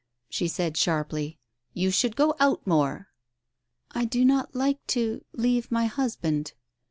She said sharply — "You should go out more." " I do not like to — leave my husband."